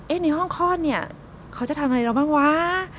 เอ๊ะในห้องคลอดเนี่ยเขาจะทำอะไรแล้วบ้างว้า